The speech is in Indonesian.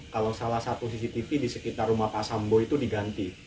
kalau salah satu cctv di sekitar rumah pak sambo itu diganti